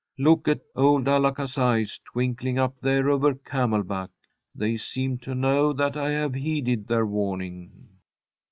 Look at old Alaka's eyes, twinkling up there over Camelback. They seem to know that I have heeded their warning."